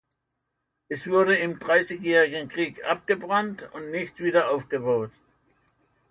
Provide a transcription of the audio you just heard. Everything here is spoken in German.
Es wurde im Dreißigjährigen Krieg abgebrannt und nicht wieder aufgebaut.